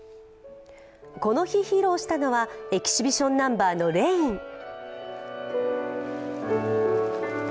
この日、披露したのはエキシビションナンバーの「レイン」。